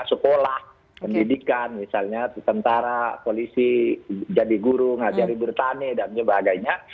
sekolah pendidikan misalnya tentara polisi jadi guru ngajari bertani dan sebagainya